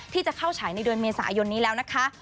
ที่จะเข้าฉายในเดือนเมษายนนี้แล้วนะคะ